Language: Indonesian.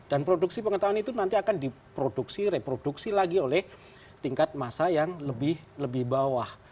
dan produksi pengetahuan itu nanti akan diproduksi reproduksi lagi oleh tingkat masa yang lebih bawah